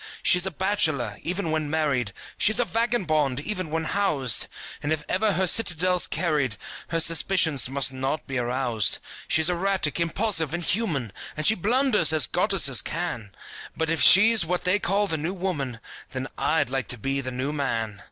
She's a bachelor, even when married, She's a vagabond, even when housed; And if ever her citadel's carried Her suspicions must not be aroused. She's erratic, impulsive and human, And she blunders, as goddesses can; But if she's what they call the New Woman, Then I'd like to be the New Man.